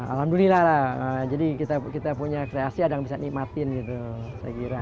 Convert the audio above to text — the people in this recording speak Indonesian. alhamdulillah lah jadi kita punya kreasi ada yang bisa nikmatin gitu saya kira